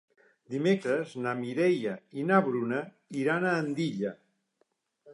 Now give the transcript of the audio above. Dimecres na Mireia i na Bruna iran a Andilla.